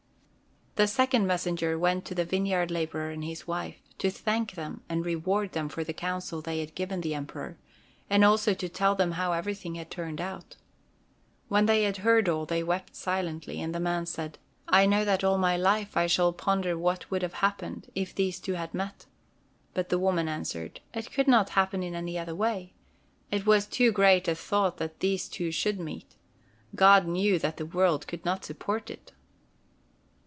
The second messenger went to the vineyard laborer and his wife, to thank them and reward them for the counsel they had given the Emperor, and also to tell them how everything had turned out. When they had heard all, they wept silently, and the man said: "I know that all my life I shall ponder what would have happened if these two had met." But the woman answered: "It could not happen in any other way. It was too great a thought that these two should meet. God knew that the world could not support it."